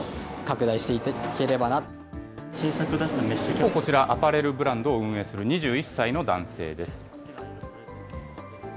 一方、こちら、アパレルブランドを運営する２１歳の男性です。